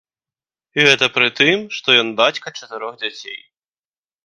І гэта пры тым, што ён бацька чатырох дзяцей.